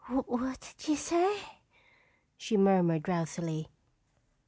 "What did you say?" she murmured drowsily.